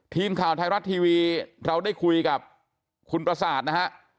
ทีมข่าวไทยรัฐทีวีเราได้คุยกับคุณประสาทนะฮะ